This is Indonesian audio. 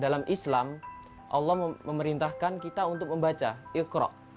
dalam islam allah memerintahkan kita untuk membaca ikhroq